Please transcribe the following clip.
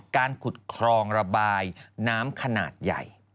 การขุดครองระบายน้ำขนาดใหญ่